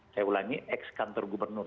saya ulangi ex kantor gubernur